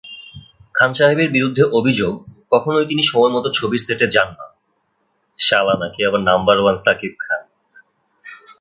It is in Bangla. খান সাহেবের বিরুদ্ধে অভিযোগ, কখনোই তিনি সময়মতো ছবির সেটে যান না।